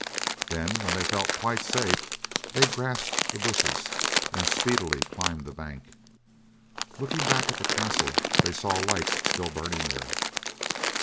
Then when they felt quite safe they grasped the bushes, and speedily climbed the bank. Looking back at the castle they saw lights still burning there.